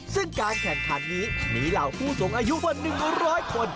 ซึ่งการแข่งขันนี้มีเหล่าผู้สูงอายุกว่า๑๐๐คน